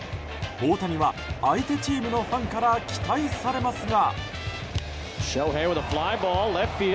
大谷は、相手チームのファンから期待されますが。